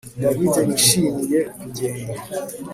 David ntiyishimiye kugenda